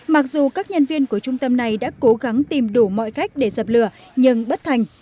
mặc dù các nhân viên của trung tâm này đã cố gắng tìm đủ mọi cách để dập lửa nhưng bất thành